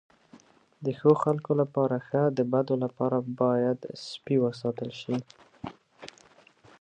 د ښو خلکو لپاره ښه، د بدو لپاره باید سپي وساتل شي.